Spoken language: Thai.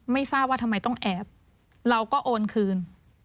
ไม่ทราบว่าทำไมต้องแอบเราก็โอนคืน